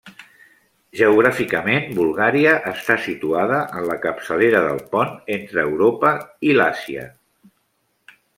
Geogràficament, Bulgària està situada en la capçalera del pont entre Europa i l'Àsia.